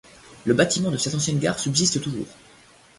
Le bâtiment de cette ancienne gare subsiste toujours.